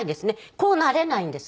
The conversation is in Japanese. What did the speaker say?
こうなれないんです。